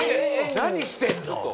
何してんの？